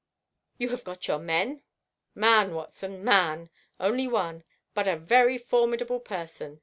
"You have got your men?" "Man, Watson, man. Only one, but a very formidable person.